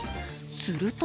すると